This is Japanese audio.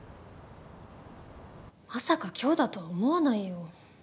まさか今日だとは思わないよ。